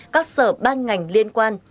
các sở ban ngành liên quan